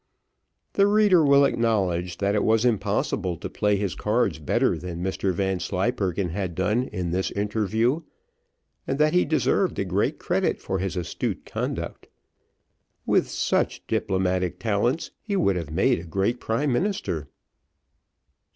The reader will acknowledge that it was impossible to play his cards better than Mr Vanslyperken had done in this interview, and that he deserved great credit for his astute conduct. With such diplomatic talents, he would have made a great prime minister.